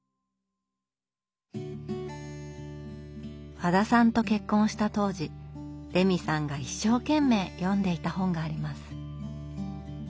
和田さんと結婚した当時レミさんが一生懸命読んでいた本があります。